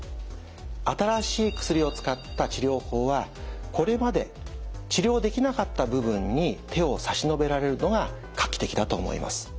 新しい薬を使った治療法はこれまで治療できなかった部分に手を差し伸べられるのが画期的だと思います。